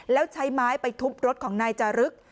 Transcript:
แล้วใช้ไม้ไปทุบรถของนายจารึก